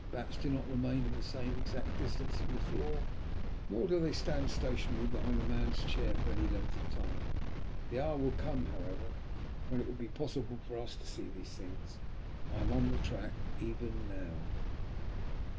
Bats do not remain at the same exact distance from the floor, nor do they stand stationary behind a man's chair for any length of time. The hour will come, however, when it will be possible for us to see these things; I am on the track even now."